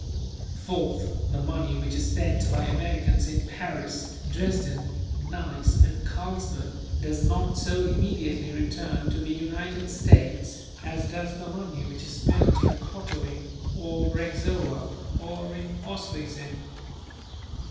Fourth, the money which is spent by Americans in Paris, Dresden, Nice and Carlsbad, does not so immediately return to the United States as does the money which is spent in Kottowin or Breczowa or in Oswicczim.